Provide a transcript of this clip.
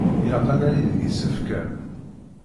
Ilaq ad nali deg isefkal.